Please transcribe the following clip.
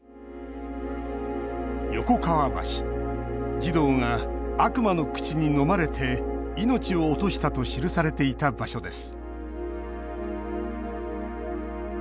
児童が悪魔の口にのまれて命を落としたと記されていた場所です。